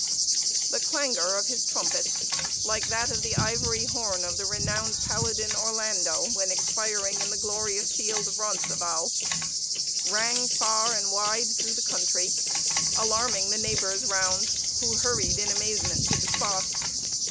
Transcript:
The clangor of his trumpet, like that of the ivory horn of the renowned Paladin Orlando, when expiring in the glorious field of Roncesvalles, rang far and wide through the country, alarming the neighbors round, who hurried in amazement to the spot.